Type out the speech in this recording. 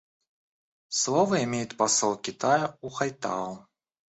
Слово имеет посол Китая У Хайтао.